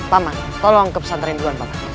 paman tolong ke pesantren duluan pak